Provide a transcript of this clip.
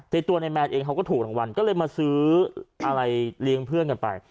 ตัวในแมนเองเขาก็ถูกรางวัลก็เลยมาซื้ออะไรเลี้ยงเพื่อนกันไป